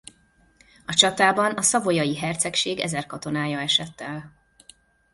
A csatában a savoyai hercegség ezer katonája esett el.